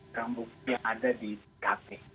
barang bukti yang ada di tkp